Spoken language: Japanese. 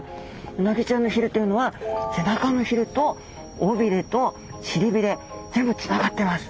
うなぎちゃんのひれというのは背中のひれと尾びれと臀びれ全部つながってます。